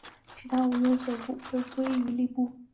且无其他部首可用者将部首归为立部。